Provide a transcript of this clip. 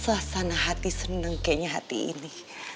suasana hati seneng kayaknya hati ini